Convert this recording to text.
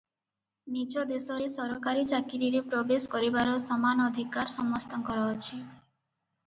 ନିଜ ଦେଶରେ ସରକାରୀ ଚାକିରୀରେ ପ୍ରବେଶ କରିବାର ସମାନ ଅଧିକାର ସମସ୍ତଙ୍କର ଅଛି ।